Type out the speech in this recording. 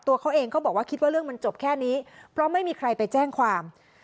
ตัวเขาเองก็บอกว่าคิดว่าเรื่องมันจบแค่นี้เพราะไม่มีใครไปแจ้งความ